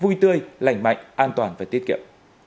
vui tươi lành mạnh an toàn và tiết kiệm